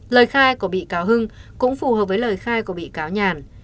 lời khai của bị cáo hưng cũng phù hợp với lời khai của bị cáo nhàn